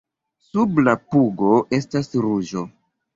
Sub la pugo estas ruĝo.